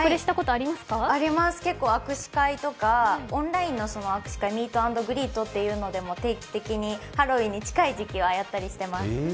あります、結構握手会とか、オンラインの握手会のミート・アンド・グリートというので定期的にハロウィーンに近い時期にはやっています。